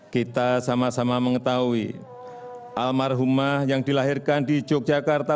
kita sama sama mengetahui almarhumah yang dilahirkan di yogyakarta